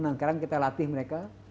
nah sekarang kita latih mereka